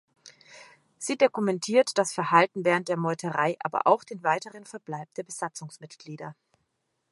Sie dokumentiert das Verhalten während der Meuterei, aber auch den weiteren Verbleib der Besatzungsmitglieder.